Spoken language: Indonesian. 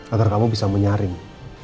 agar kamu bisa menyaring